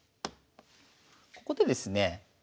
ここでですねえ